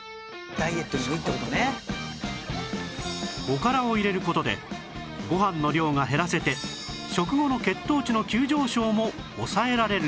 おからを入れる事でご飯の量が減らせて食後の血糖値の急上昇も抑えられるそう